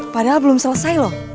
padahal belum selesai loh